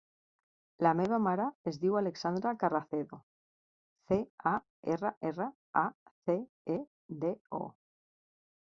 La meva mare es diu Alexandra Carracedo: ce, a, erra, erra, a, ce, e, de, o.